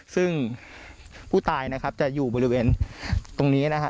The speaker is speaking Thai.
ซึ่งผู้ตายนะครับจะอยู่บริเวณตรงนี้นะครับ